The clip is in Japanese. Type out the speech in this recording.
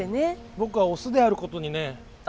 僕はオスであることにね